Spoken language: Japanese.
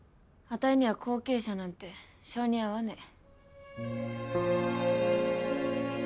あたいには後継者なんて性に合わねえ。